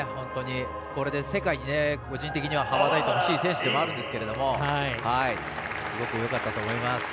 これで世界に個人的には羽ばたいてほしい選手ではあるんですけれどもすごくよかったと思います。